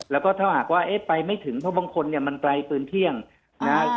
แล้วก็ถ้าหากว่าเอ๊ะไปไม่ถึงเพราะบางคนเนี่ยมันไกลปืนเที่ยงนะ